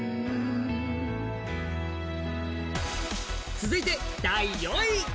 続いて第４位。